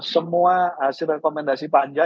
semua hasil rekomendasi panja